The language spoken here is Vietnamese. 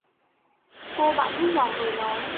Cô bạn hốt hoảng rồi nói